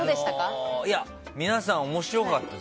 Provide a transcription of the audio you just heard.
皆さん、面白かった。